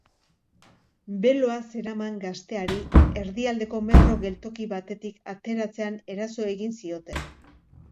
Beloa zeraman gazteari erdialdeko metro geltoki batetik ateratzean eraso egin zioten.